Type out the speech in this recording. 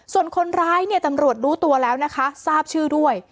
ส่วนคนร้ายเนี่ยตำรวจรู้ตัวแล้วนะคะทราบชื่อด้วย